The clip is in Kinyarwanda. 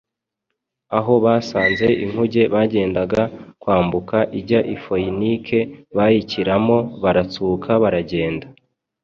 aho basanze “inkuge yendaga kwambuka ijya i Foyinike bayikiramo, baratsuka baragenda.